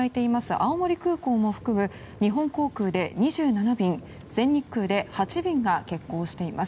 青森空港も含む日本航空で２７便全日空で８便が欠航しています。